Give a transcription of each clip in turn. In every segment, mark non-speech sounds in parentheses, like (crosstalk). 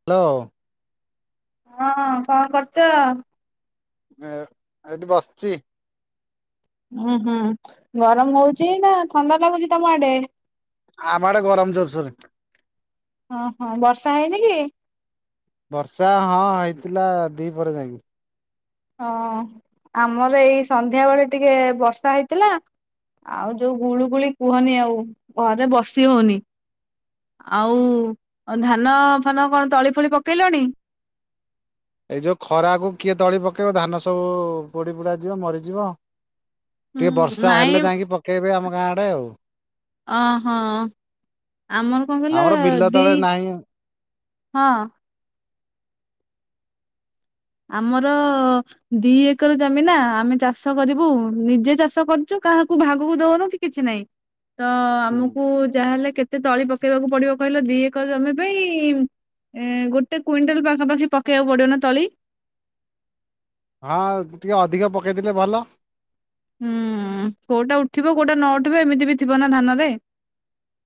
Hello ହଁ କଣ କରୁଚ? ଏ ଏଠି ବସିଚି। ଉୁଁ ହୁଁ ଗରମ ହୋଉଚି ନା ଥଣ୍ଡା ଲାଗୁଚି ତମ ଆଡେ? ଆମ ଆଡେ ଗରମ ଜୋର ସୋରେ। ଓହୋ ବର୍ଷା ହେଇନି? ବର୍ଷା ହଁ ହେଇଥିଲା ଦି ପରେ ଯାଇକି ହଁ ଆମର ଏଇ ସନ୍ଧ୍ୟାବେେଳେ ଟିକେ ବର୍ଷା ହେଇଥିଲା? ଆଉ ଯୋଉ ଗୁଳୁଗୁଳି କୁହନି ଆଉ ଘରେ ବସି ହୋଉନି। ଆଉ ଧାନ ଫାନ କଣ ତଳି ଫଳି ପକେଇଲଣି? ଏଇ ଯୋଉ ଖରାକୁ କିଏ ତଳି ପକେଇବ ଧାନ ସବୁ ପୋଡି ପୋଡା ଯିବ ମରିଯିବ। ହୁଁ ଟିକେ ବର୍ଷା ହେଲେ ନାଇଁ ଯାଇକି ପକେଇବେ ଆମ ଗାଁ ଆଡେ ଆଉ। ଅ ହଁ ଆମର କଣ କହିଲ ଆମର ବିଲ ଦି ତଳେ ନାହିଁ ହଁ ଆମର ଦି ଏକର ଜମିନା ଆମେ ଚାଷ କରିବୁ ନିଜେ ଚାଷ କରୁଚୁ କାହାକୁ ଭାଗକୁ ଦଉନୁ କି କିଛି ନାହିଁ। ତ ହୁଁ। ଆମକୁ ଯାହାହେଲେ କେତେ କେତେ ତଳି ପକେଇବାକୁ ପଡିବ କହିଲ ଦିଏକ ଜମି ପାଇଁ? ଏ ଗୋଟେ କୁଇଣ୍ଟାଲ ପାଖାପାଖି ପକେଇବାକୁ ପଡିବ ନା ତଳି? ହଁ ଟିକେ ଅଧିକ ପକେଇଦେଲେ ଭଲ। ହୁଁ କୋଉଟା ଉଠିବ କୋଉଟା ନ ଉଠିବ ଏମିତି ବି ଥିବ ନା ଧାନରେ?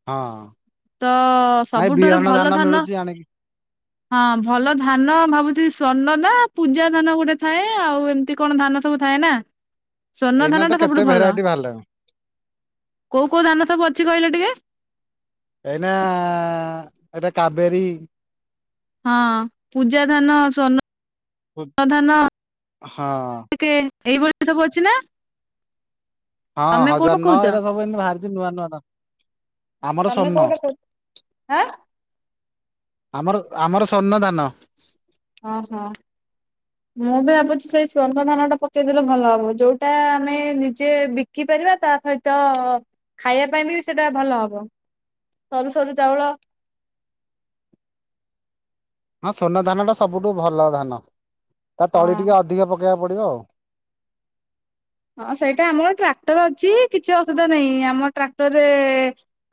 ହଁ ତ ସବୁଠାରୁ ଭଲ ଧାନ ହ ହଁ ଭଲ ଧାନ ଭାବୁଚି ସ୍ଵର୍ଣ୍ଣଦା ପୂଜା ଧାନ ଗୋଟେ ଥାଏ, ଆଉ ଏମିତି କଣ ଧାନ ସବୁ ଥାଏ ନା? ସ୍ଵର୍ଣ୍ଣ ଏଇନା ଧାନ ତ ଟା କେତେ ସବୁଠୁ ଭଲ ଭେରାଇଟି ବାହାରିଲାଣି କୋଉ କୋଉ ଧାନ ସବୁ ଅଛି କହିଲେ ଟିକେ ଏଇନା ଏଇଟା କବେରୀ ହଁ ପୂଜା ଧାନ ହଁ ସ୍ୱର୍ଣ୍ଣ ଧାନ ଏଇ ଭଳି ସବୁ ଅଛି ନାଁ? ହଁ ହଜାର ନଅ କହୁଛ ଏଇଟା ସବୁ ଏମତି ବାହାରିଚି ନୂଆ ନୂଆ ଧା ଆମର ତମେ କୋଉଟା କହୁଛ ଆଁ ସ୍ୱର୍ଣ୍ଣ। ଆମର ଆମର ସ୍ୱର୍ଣ୍ଣ ଧାନ। ହଁ ହଁ। ମୁଁ ବି ଭାବୁଚି ସେ ସ୍ୱର୍ଣ୍ଣ ଧାନ ଟା ପକେଇଦେଲେ ଭଲ ହବ ଯୋଉଟା ଆମେ ନିଜେ ବି ଶିଖିପାରିବା ତା ସହିତ ଖାଇବା ପାଇଁ ବି ସେଇଟା ଭଲ ହବ। ସରୁ ସରୁ ଚାଉଳ। ହଁ ସ୍ୱର୍ଣ୍ଣ ଧାନଟା ସବୁଠୁ ଭଲ ଧାନ ତା ତଳି ହଁ। ଟିକେ ଅଧିକ ପକେଇବାକୁ ପଡ଼ିବ ଆଉ। ହଁ ସେଇଟା ଆମର ଟ୍ରାକ୍ଟର ଅଛି କିଛି ଅସୁବିଧା ନାହିଁ ଆମ ଟ୍ରାକ୍ଟରରେ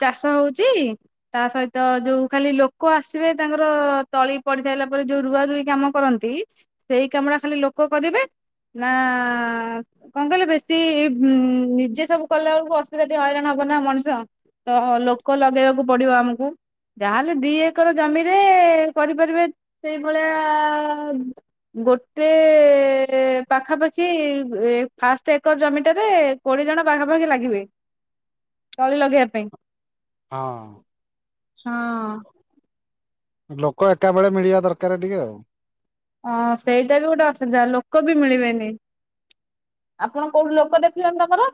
ଚାଷ ହୋଉଚି। ତା ସହିତ ଯୋଉ ଖାଲି ଲୋକ ଆସିବେ ତାଙ୍କର ତଳି ପଡିଥାଇଲା ପରେ ଯୋଉ ରୁଆ ରୁଇ କାମ କରନ୍ତି ସେଇ କାମ ଟା ଖାଲି ଲୋକ କରିବେ, ନା କଣ କହିଲେ ବେଶୀ ନିଜେ ସବୁ କଲା ବେଳକୁ ଅସୁବିଧା ଟିକେ ହଇରାଣ ହବ ନା ମଣିଷ। ତ ଲୋକ ଲଗେଇବାକୁ ପଡିବ ଆମକୁ। ଯାହାହେଲେ ଦି ଏକର ଜମିରେ କରିପାରିବେ ସେଇଭଳିଆ ଗୋଟେ ପାଖାପାଖି ଫାଷ୍ଟ ଏକର ଜମିଟାରେ କୋଡିଏ ଜଣ ପାଖା ପାଖି ଲାଗିବେ। ତଳି ଲଗେଇବା ପାଇଁ। ହଁ। ହଁ। ଲୋକ ଏକା ବେଳେ ମିଳିବା ଦରକାର ଟିକେ ଆଉ। ହଁ ସେଇଟା ବି ଗୋଟେ ଅସୁବିଧା ଲୋକ ବି ମିଳିବେନି। ଆପଣ କୋଉଠି ଲୋକ ଦେଖି ଲେଣି ତମର?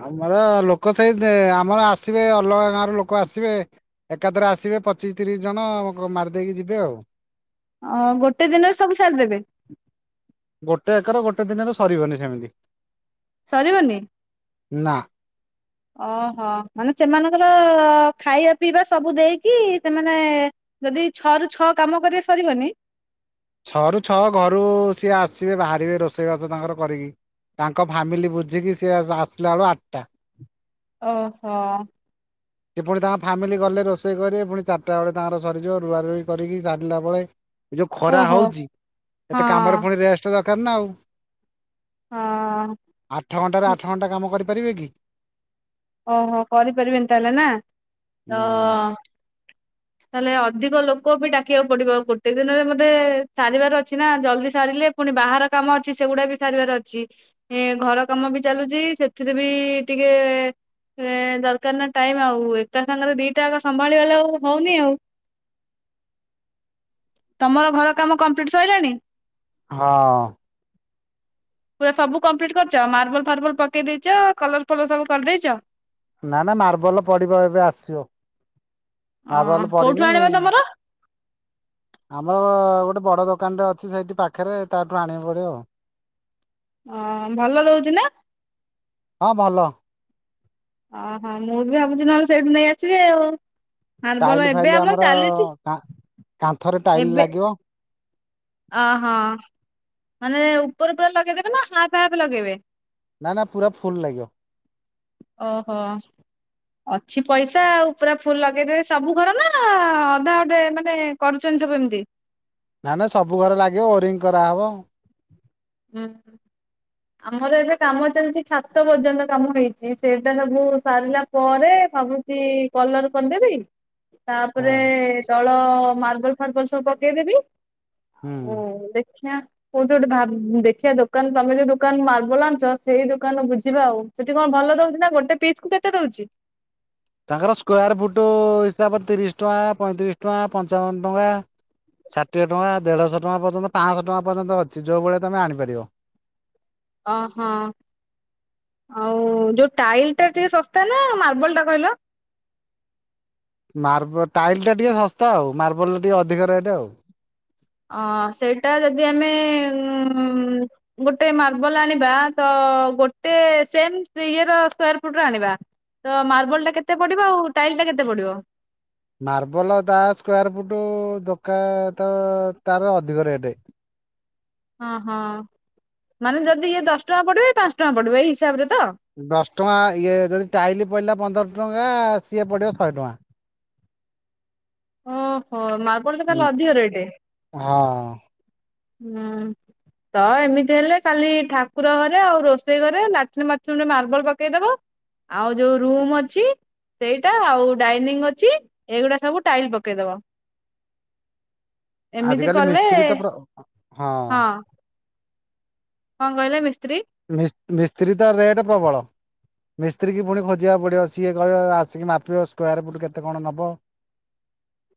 ଆମର ଲୋକ ସେଇ, ଆମର ଆସିବେ ଅଲଗା ଗାଁ ର ଲୋକ ଆସିବେ ଏକାଥରେ ଆସିବେ ପଚିଶ ତିରିଶ ଜଣ ମାରିଦେଇକି ଯିବେ ଆଉ। ଅ ଗୋଟେ ଦିନରେ ସବୁ ସାରି ଦେବେ? ଗୋଟେ ଏକର ଗୋଟେ ଦିନରେ ସରିବନି ସେମିତି। ସରିବନି? ନା। ଓହୋ ମାନେ ସେମାନଙ୍କର ଖାଇବା ପିଇବା ସବୁ ଦେଇକି ସେମାନେ ଯଦି ଛଅ ରୁ ଛଅ କାମ କରିବା ସରିବନି ଛଅରୁୁ ଛଅ ଘରୁ ସିଏ ଆସିବେ ବାହାରିବେ ରୋଷେଇବାସ ତାଙ୍କର କରିକି। ତାଙ୍କ ଫ୍ୟାମିଲି ବୁଝିକି ସି ଆସିଲା ବେଳ ଆଠଟା। ଓହୋ। ଏପଟେ ତାଙ୍କ ଫ୍ୟାମିଲି ଗଲେ ରୋଷେଇ କରି ପୁଣି ଚାରିଟା ବେଳେ ତାଙ୍କର ସରିଯିବ ରୁଆ ରୁଇ କରିକି ସାରିଲା ବେଳେ ଏ ଯୋଉ ଖରା ଓହୋ ହଉଛି ଏତେ କାମରେ ପୁଣି ହଁ ରେଷ୍ଟ ଦର ନା ଆଉ। ହଁ ଆଠ ଘଣ୍ଟ ର ଆଠ ଘଣ୍ଟା କାମ କରିପାରିବେ କି? ଓହୋ। କରିପାରିବେନି ତାହେଲେ ନା, ତ ତାହେଲେ ଅଧିକ ଲୋକ ବି ଡାକିବାକୁ ପଡିବ, ଗୋଟେ ଦିନରେ ମତେ ସାରିବାର ଅଛି ନା। ଜଲଦି ସାରିଲେ ପୁଣି ବାହାର କାମ ଅଛି ସେଗୁଡା ବି ସାରିବାର ଅଛି ଏ ଘର କାମ ବି ଚାଲୁଚି ସେଥିରେ ବି ଟିକେ ସେ ଦରକାର ନା ଟାଇମ୍, ଆଉ ଏକା ସାଙ୍ଗରେ ଦିଟାକ ସମ୍ଭାଳିଲା ବେଳକୁ ହଉନି ଆଉ। (unintelligible) ତମର ଘର କାମ କମ୍ପ୍ଲିଟ୍ ସଇଲାଣି? ହଁ। ପୁରା ସବୁ କମ୍ପ୍ଲିଟ କରିଚ ମାର୍ବଲ ଫାର୍ବୁଲ ପକେଇ ଦେଇଚ କଲର ଫଲର ସବୁ କରିଦେଇଚ? ନା ନା ମାର୍ବଲ ପଡିବ ଏବେ ଆସିବ ଅ ମାର୍ବଲ କୋଉଠୁ ପଡିିନି ଆଣିବ (unintelligible) ତମର? ଆମର ଗୋଟେ ବଡ ଦୋକାନଟେ ଅଛି ସେଇଠି ପାଖରେ, ତାଠୁ ଆଣିବା ଭାରି ଆଉ। ଓ ଭଲ ଦଉଚି ନା? ହଁ ଭଲ। ଓହୋ। ମୁଁ ବି ଭାବୁଚି ନହେଲେ ସେଇଠୁ ନେଇ ଆସିବି ଆଉ। ଟାଇଲ ମାର୍ବଲ ଏବେ ଫାଇଲ ଆମର ଚାଲିଚି। କା କାନ୍ଥରେ ଟାଇଲ ଏବେ ଲାଗିବ ଅହଁ ମାନେ ଉପର ପୁରା ଲଗେଇଦେବେ ନା ହାଫ୍ ହାଫ୍ ଲଗେଇବେ? ନା ନା ପୁରା ଫୁଲ ଲାଗିବ। ଓହୋ। ଅଛି ପଇସା ଆଉ ପୁରା ଫୁଲ ଲଗେଇଦବେ ସବୁ ଘର ନା ଅଧା ଗଟେ ମାନେ କରୁଛନ୍ତି ସବୁ ଏମିତି? ନା ନା ସବୁ ଘରେ ଲାଗିବ ଓରିଙ୍ଗ କରାହବ ହୁଁ। ଆମର ଏବେ କାମ ଚାଲିଚି ଛାତ ପର୍ଯ୍ୟନ୍ତ କାମ ହେଇଚି, ସେଇଟା ସବୁ ସାରିଲା ପରେ ଭାବୁ ସେ କଲର କରିଦେବି ହଁ ତାପରେ ତଳ ମାର୍ବଲ ଫାର୍ବଲ ସବୁ ପକେଇଦେବି ଓ ହୁଁ। ଦେଖିବା କୋଉଠି ଗୋଟେ ଭାବୁ ଦେଖିବା ଦୋକାନ ତମେ ଯୋଉ ଦୋକାନ ମାର୍ବଲ ଆଣୁଚ ସେଇ ଦୋକାନରୁ ବୁଝିବା ଆଉ ସେଠି କଣ ଭଲ ଦଉଚି ନା ଗୋଟେ ପିସ୍ କୁ କେ କେତେ ଦଉଚି? ତାଙ୍କର ସ୍କୋୟାର ଫୁଟ ହିସାବ ତିରିଶ ଟଙ୍କା, ପଇଁତିରିଶ ଟଙ୍କା, ପଞ୍ଚାବନ ଟଙ୍କା ଷାଠିଏ ଟଙ୍କା, ଦେଢଶହ ଟଙ୍କା ପର୍ଯ୍ୟନ୍ତ ପାଆଁଶ ଟଙ୍କା ପର୍ଯ୍ୟନ୍ତ ଅଛି ଯୋଉ ଭଳିଆ ତମେ ଆଣିପାରିବ। ଅ ହଁ। ଆଉ ଯୋଉ ଟାଇଲ ଟା ଟିକେ ଶସ୍ତା ନା ମାର୍ବଲ ଟା କହିଲ? ମାର୍ବ- ଟାଇଲ୍ ଟା ଟିକେ ଶସ୍ତା, ଆଉ ମାର୍ବଲ ଟିକେ ଅଧିକ ରେଟ୍ ଆଉ। ଅ ସେଇଟା ଯଦି ଆମେ ଉଁ ଗୋଟେ ମାର୍ବଲ ଆଣିବା ତ ଗୋଟେ ସେମ ଇଏର ସ୍କୋୟାର ଫୁଟର ଆଣିବା ତ ମାର୍ବଲ ଟା କେତେ ପଡିବ ଆଉ ଟାଇଲ ଟା କେତେ ପଡିବ? ମାର୍ବଲ ତା ସ୍କୋୟାର ଫୁଟ ଦୋକାତ ତାର ଅଧିକ ରେଟ୍ ହଁ ହଁ ମାନେ ଯଦି ଇଏ ଦଶ ଟଙ୍କା ପଡିବ ପାଞ୍ଚ ଟଙ୍କା ପଡିବ ଏଇ ହିସାବରେ ତ ଦଶ ଟଙ୍କା ଇଏ ଯଦି ଟାଇଲ୍ ପଇଲା ପନ୍ଦର ଟଙ୍କା ସିଏ ପଡ଼ିବ ଶଏ ଟଙ୍କା। ଓହୋ ମାର୍ବଲ ଟା ତାହଲେ ଅଧିକ ରେଟ୍? ହଁ ହୁଁ ତ ଏମିତି ହେଲେ କାଲି ଠାକୁର ଘରେ ଆଉ ରୋଷେଇ ଘରେ ଲାଟିନ୍, ବାଥରୁମରେ ମାର୍ବଲ ପକେଇଦବ ଆଉ ଯୋଉ ରୁମ୍ ଅଛି ସେଇଟା ଆଉ ଡାଇନିଙ୍ଗ ଅଛି ଏଇଗୁଡା ସବୁ ଟାଇଲ ପକେଇଦବ ଏମିତି ଆଜିକାଲି କଲେ ମିସ୍ତ୍ରୀ ତ ପ ହଁ କଣ କହିଲ ମିସ୍ତ୍ରୀ? ମିସ୍ ମିସ୍ତ୍ରୀ ତ ରେଟ୍ ପ୍ରବଳ। ମିସ୍ତ୍ରୀ କି ପୁଣି ଖୋଜିବାକୁ ପଡ଼ିବ ସିଏ କହିବ ଆସିକି ମାପିବ ସ୍କୋୟାର ଫୁଟ୍ କେତେ କଣ ନବ।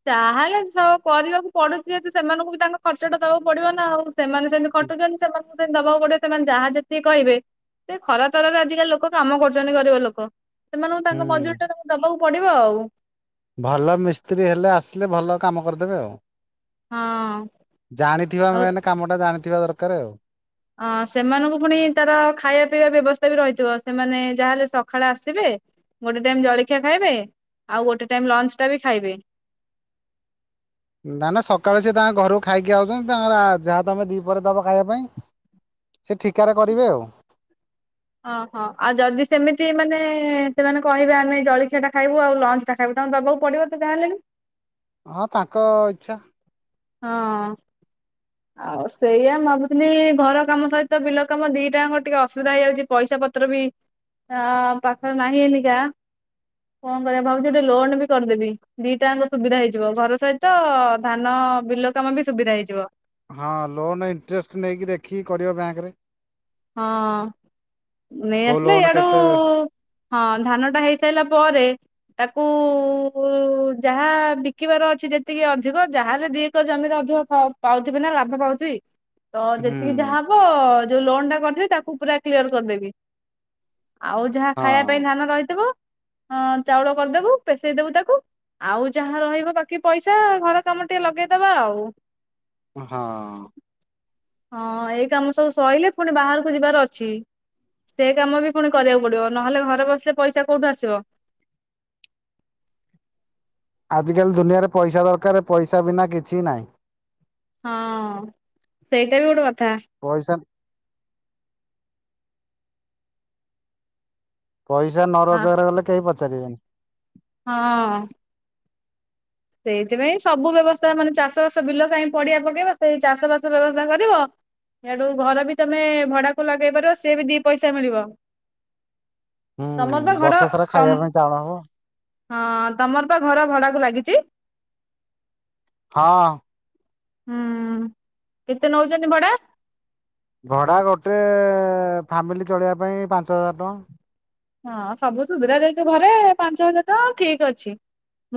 ତାହେଲେ ସ କରିବାକୁ ପଡୁଚି ଯେହେତୁ ସେମାନଙ୍କୁ ବି ତାଙ୍କ ଖର୍ଚ୍ଚଟା ଦବାକୁ ପଡିବ ନା ଆଉ। ସେମାନେ ସେମିତି ଖଟୁଚନ୍ତି ସେମାନ ଦବାକୁ ପଡିବ ସେମାନେ ଯାହା ଯେତିକି କହିବେ ସେ ଖରା ତରାରେ ଆଜିକାଲି ଲୋକ କାମ କରୁଚନ୍ତି ଗରିବ ଲୋକ। ସେମାନଙ୍କୁ ତାଙ୍କ ମଜୁର ଟା ତାଙ୍କୁ ଦବାକୁ ପଡିବ ଆଉ। ଭଲ ମିସ୍ତ୍ରୀ ହେଲେ ଆସିଲେ ଭଲ କାମ କରିଦେବେ ଆଉ। ହଁ ଜାଣିଥିବା ଆଉ ମେନ କାମ ଟା ଜାଣିଥିବା ଦରକାର ଆଉ ଅଁ ସେମାନଙ୍କୁ ପୁଣି ତାର ଖାଇବା ପିଇବା ବ୍ୟବସ୍ଥା ବି ରହିଥିବ ସେମାନେ ଯାହାହେଲେ ସକାଳେ ଆସିବେ ଗୋଟେ ଟାଇମ ଜଳଖିଆ ଖାଇବେ ଆଉ ଗୋଟେ ଟାଇମ ଲଞ୍ଚ ଟା ବି ଖାଇବେ ନା ନା ସକାଳୁ ସିଏ ତାଙ୍କ ଘରକୁ ଖାଇକି ଆସିଛନ୍ତି ତାଙ୍କର ଯାହା ତମେ ଦିପହରେ ଦବ ଖାଇବା ପାଇଁ ସେ ଠିକାରେ କରିବେ ଆଉ ଓହୋ ଆଉ ଯଦି ସେମିତି ମାନେ ସେମାନେ କହିବେ ଆମେ ଜଳଖିଆ ଟା ଖାଇବୁ ଆଉ ଲଞ୍ଚ ଖାଇକୁ ତମକୁ ଦବାକୁ ପଡିବ ତ ଯାହା ହେଲେବି ହଁ ତାଙ୍କ ଇଚ୍ଛା ହଁ ହ ଆଉ ସେଇଆ ଭାବୁଥିଲି ଘର କାମ ସହିତ ବିଲ କାମ ଦିଟାଙ୍କର ଟିକେ ଅସୁବିଧା ହେଇଯାଉଛି ପଇସା ପତ୍ର ବି ହଁ ପାଖରେ ନାହିଁ ଏନିକା କଣ କରିବା ଭାବୁଛି ଗୋଟେ ଲୋନ ବି କରିଦେବି ଦିଟା ଯାକଙ୍କସୁବିଧା ହେଇଯିବ ଘର ସହିତ ଧାନ ବିଲ କାମ ବି ସୁବିଧା ହେଇଯିବ ହଁ ଲୋନ୍ ଇଣ୍ଟରେଷ୍ଟ ନେଇକି ଦେଖିକି କରିବ ବ୍ୟାଙ୍କ ରେ ହଁ ନେଇ କୋଉ ଆସିଲେ ଲୋନ ଇଆଡୁ କେତେ ହଁ ଧାନ ଟା ହେଇସାରିଲା ପରେ ତାକୁ ଯାହା ବିକିବାର ଅଛି ଯେତିକି ଅଧିକ ଯାରେ ତ ଜମିରେ ଅଧିକ ପାଉଥିବେ ନା ଲାଭ ପାଉଥିବି ତ ହୁଁ। ଯେତିକି ଯାହାହବ ଯୋଉ ଲୋନ ଟା କରିଥିବି ତାକୁ ପୁରା କ୍ଲିଅର କରିଦେବି ଆଉ ଯାହା ଖାଇବା ପାଇଁ ହଁ ଧାନ ରହିଥିବ ଚାଉଳ କରିଦେବୁ ପେସେଇଦବୁ ତାକୁ ଆଉ ଯାହା ରହିବ ବାକି ପଇସା ଘର କାମ ଟିକେ ଲଗେଇଦବା ଆଉ ହଁ ହଁ ଏଇ କାମ ସବୁ ସରିଲେ ପୁଣି ବାହାରକୁ ଯିବାର ଅଛି ସେ କାମ ବି ପୁଣି କରିବାକୁ ପଡିବ ନହେଲେ ଘରେ ବସିଲେ ପଇସା କୋଉଠୁ ଆସିବ ଆଜିକାଲି ଦୁନିଆରେ ପଇସା ଦରକାର ପଇସା ବିନା କିଛି ନାହିଁ ହଁ ସେଇଟା ବି ଗୋଟେ କଥା ପଇସା ପଇସା ନ ହଁ। ରୋଜଗାର କଲେ କେହି ପଚାରିବେନି ହଁ। ସେଇଥିପାଇଁ ସବୁ ବ୍ୟବସ୍ଥା ମାନେ ଚାଷ ବାସ ବିଲ କାହିଁ ପଡିିଆ ପକେଇବା ସେଇ ଚାଷ ବାସ ବ୍ୟବସ୍ଥା କରିବ ଇଆଡୁ ଘର ବି ତମେ ଭଡାକୁ ଲଗେଇ ପାରିବ ସିଏ ବି ଦି ପଇସା ମିଳିବ। ତମର ହୁଁ ପରା ଘର ବର୍ଷ ସାରା ଖାଇବା ତମ ପାଇଁ ଚାଉଳ ହବ। ହଁ ତମର ପା ଘର ଭଡାକୁ ଲାଗିଚି? ହଁ। ହୁଁ। କେତେ ନଉଛନ୍ତି ଭଡା? ଭଡ଼ା ଗୋଟେ ଫାମିଲି ଚଳିବା ପାଇଁ ପାଞ୍ଚ ହଜାର ଟଙ୍କା। ହଁ ସବୁ ସୁବିଧା ଯେହେତୁ ଘରେ ପାଞ୍ଚ ହଜାର ଟଙ୍କା ଠିକ୍ ଅଛି।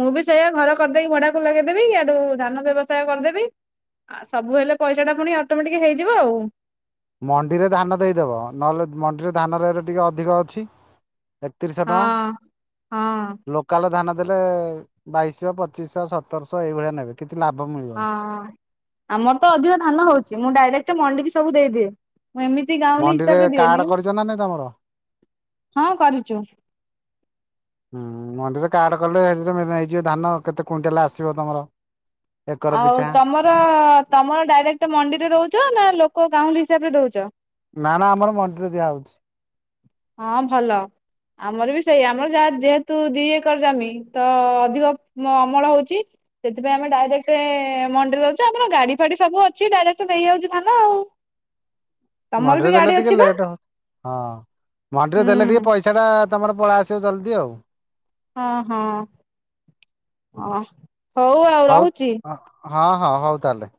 ମୁଁ ବି ସେଇଆ ଘର କରିଦେଇକି ଭଡାକୁ ଲଗେଇଦେବି। ଇଆଡୁ ଧାନ ବ୍ୟବସାୟ କରିଦେବି। ଆ ସବୁ ହେଲେ ପଇସା ଟା ପୁଣି ଅଟୋମେଟିକ୍ ହେଇଯିବ ଆଉ। ମଣ୍ଡିରେ ଧାନ ଦେଇଦେବ। ନହେଲେ ମଣ୍ଡିରେ ଧାନ ରେଟ୍ ଟିକେ ଅଧିକ ଅଛି। ଏକତିରିଶଶହ ହଁ ଟଙ୍କା। ହଁ ଲୋ (unintelligible) ଧାନ ଦେଲେ ବାଇଶହ ପଚିଶହ ସତରଶହ ଏଇଭଳିଆ ନେବେ। କିଛି ଲାଭ ମିଳି ହଁ ଆମର ତ ଅଧିକ ଧାନ ହଉଚି। ମୁଁ ଡାଇରେକ୍ଟ ମଣ୍ଡିିକି ସବୁ ଦେଇଦିଏ। ମୁଁ ଏମିତି ଗାଉଁଲି ମଣ୍ଡିରେ ହିସାବରେ କାର୍ଡ ଦିଏନି। କରିଛ ନା ନାଇଁ ତମର? ହଁ କରିଚୁ। ହୁଁ ମଣ୍ଡିର କାର୍ଡ କଲେ ସେଥିରେ ନେଇଯିବେ ଧାନ କେତେ କୁଇଣ୍ଟାଲ ଆସିବ ତମର। ଏକର ଆଉ ପିଛା ତମର ତମର ଡାଇରେକ୍ଟ ମଣ୍ଡିରେ ଦଉଚ ନା ଲୋକ ଗାଉଁଲି ହିସାବରେ ଦଉଚ? ନା ନା ଆମର ମଣ୍ଡି ରେ ଦିଆ ହଉଚି। ହଁ ଭଲ। ଆମର ବି ସେଇ ଆମର ଯାହା ଯେହେତୁ ଦି ଏକର ଜମି ତ ଅଧିକ ମ ଅମଳ ହଉଚି। ସେଥିପାଇଁ ଆମେ ଡାଇରେକ୍ଟେ ମଣ୍ଡିରେ ଦଉଚୁ। ଆମର ଗାଡି ଫାଡି ସବୁ ଅଛି ଡାଇରେକ୍ଟ ଦେଇଆଉଚୁ ଧାନ ଆଉ। ତମର ମଣ୍ଡି ବି ରେ ଦେଲେ ଗାଡି ଟିକେ ଅଛି ବା ଲେଟ୍ ହବ। ହଁ। ମଣ୍ଡିରେ ଦେଲେ ଟିକେ ହୁଁ ପଇସା ଟା ତମର ପଳେଇ ଆସିବ ଜଲଦି ଆଉ। ହଁ ହଁ। ଅ। ହଉ ଆଉ ହଉ। ରହୁଛି। ହଁ ହଁ ହଉ ତାହେଲେ।